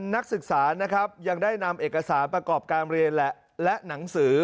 นักศึกษานะครับยังได้นำเอกสารประกอบการเรียนแหละและหนังสือ